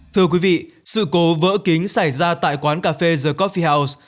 thưa quý vị sự cố vỡ kính xảy ra tại quán cà phê the coffee house